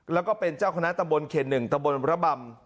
แล้วก็เป็นเจ้าคณะตะบนเข็นหนึ่งตะบนประบำ